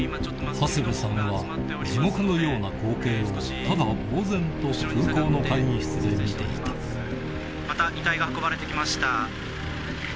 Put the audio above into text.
長谷部さんは地獄のような光景をただぼうぜんと空港の会議室で見ていたまた遺体が運ばれてきました。